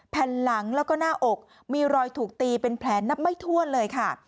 แผ่นหลังแล้วก็หน้าอกมีรอยถูกตีเป็นแผลนับไม่ถ้วนเลยค่ะ